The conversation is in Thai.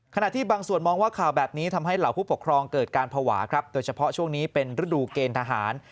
ที่บางส่วนมองว่าข่าวแบบนี้ทำให้เหล่าผู้ปกครองเกิดการภาวะครับโดยเฉพาะช่วงนี้เป็นฤดูเกณฑ์ทหาร